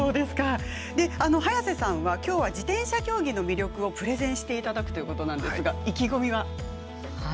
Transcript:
早瀬さんはきょうは自転車競技の魅力をプレゼンしてもらうということですが意気込みは？